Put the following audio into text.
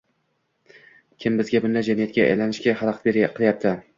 Kim bizga bunday jamiyatga aylanishga xalaqit qilyapti